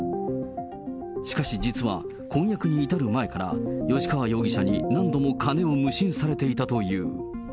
しかし実は、婚約に至る前から、吉川容疑者に何度も金を無心されていたという。